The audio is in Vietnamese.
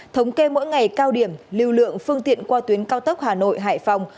thống kê mỗi ngày cao điểm lưu lượng phương tiện qua tuyến cao tốc hà nội hải phòng